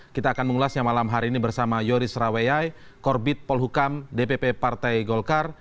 kita akan mengulasnya malam hari ini bersama yoris raweyai korbit polhukam dpp partai golkar